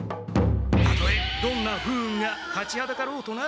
たとえどんな不運が立ちはだかろうとな。